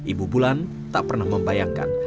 ibu bulan tak pernah membayangkan